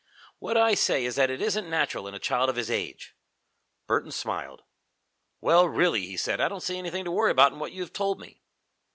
What I say is that it isn't natural in a child of his age." Burton smiled. "Well, really," he said, "I don't see anything to worry about in what you have told me."